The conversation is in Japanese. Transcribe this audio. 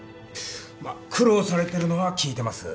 まっ苦労されてるのは聞いてます。